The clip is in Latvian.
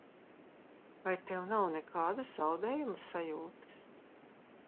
Vai tev nav nekādas zaudējuma sajūtas?